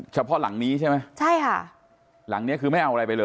เฉพาะหลังนี้ใช่ไหมใช่ค่ะหลังเนี้ยคือไม่เอาอะไรไปเลย